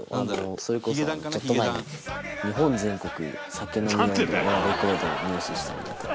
それこそ、ちょっと前に『日本全国酒飲み音頭』のレコードを入手したりとか。